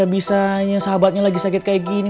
mungkin sahabatnya sedang sakit seperti ini